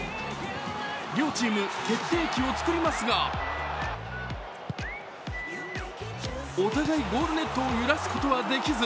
両チーム決定機を作りますが、お互いゴールネットを揺らすことはできず、